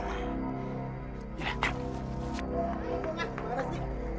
gara gara kemana sih